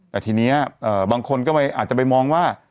แต่ทีนี้บางคนก็อาจจะไปมองว่า